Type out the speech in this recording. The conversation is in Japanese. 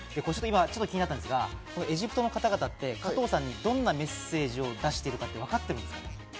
気になったのがエジプトの方々って加藤さんにどんなメッセージを出してるかわかってるんですかね。